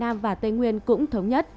việt nam và tây nguyên cũng thống nhất